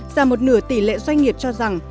giàm một nửa tỷ lệ doanh nghiệp cho rằng